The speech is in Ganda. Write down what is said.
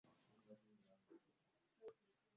Waliwo eryaato eryafunye akabenje ku Nyanja.